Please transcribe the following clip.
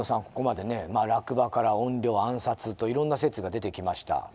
ここまで落馬から怨霊暗殺といろんな説が出てきました。